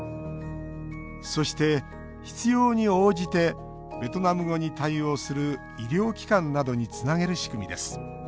そして、必要に応じてベトナム語に対応する医療機関などにつなげる仕組みです。